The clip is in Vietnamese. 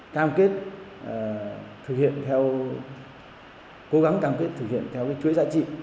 cam kết thực hiện theo cố gắng cam kết thực hiện theo chuỗi giá trị